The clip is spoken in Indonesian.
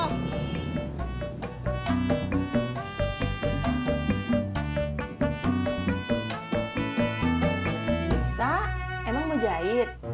nisa emang mau jahit